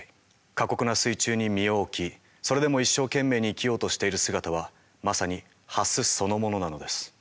過酷な水中に身を置きそれでも一生懸命に生きようとしている姿はまさにハスそのものなのです。